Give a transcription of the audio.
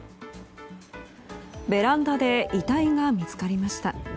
ベランダで遺体が見つかりました。